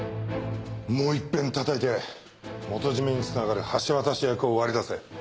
もういっぺんたたいて元締めにつながる橋渡し役を割り出せ。